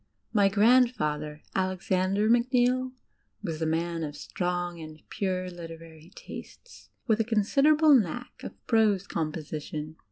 My grandfather, Alexander Macneill, was a man of strong and pure literary tastes, with a considerable ktuick of prose composition.